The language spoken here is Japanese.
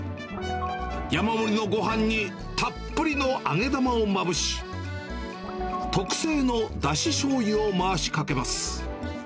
山盛りのごはんにたっぷりの揚げ玉をまぶし、特製のだししょうゆを回しかけます。